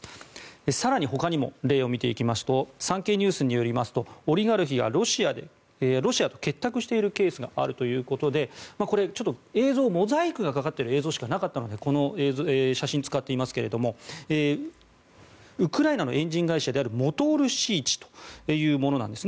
更にほかにも例を見ていきますと産経ニュースによりますとオリガルヒはロシアと結託しているケースがあるということでこれ、映像モザイクがかかっている映像しかなかったのでこの写真を使っていますがウクライナのエンジン会社であるモトール・シーチというものですね。